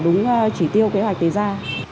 đúng chỉ tiêu kế hoạch để ra